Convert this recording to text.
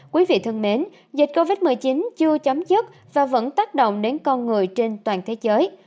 quý vị thân mến dịch covid một mươi chín chưa chấm dứt và vẫn tác động đến con người trên toàn thế giới